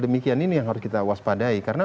demikian ini yang harus kita waspadai karena